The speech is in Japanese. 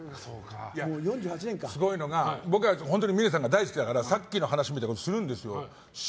すごいのが、僕は本当に峰さんが大好きだからさっきの話みたいなのをしたりするんですよ。